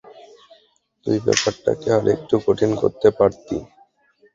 তুই ব্যাপারটাকে আরেকটু কঠিন করতে পারতি।